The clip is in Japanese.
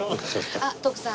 あっ徳さん